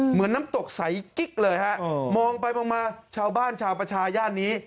เหมือนน้ำตกใสกิ๊กเลยฮะมองไปมองมาชาวบ้านชาวประชาย่านนี้